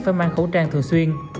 phải mang khẩu trang thường xuyên